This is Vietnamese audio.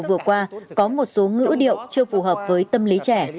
vừa qua có một số ngữ điệu chưa phù hợp với tâm lý trẻ